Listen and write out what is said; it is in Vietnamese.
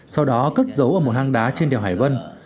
sau đó cất giấu ở một hang đá trên đèo hải vân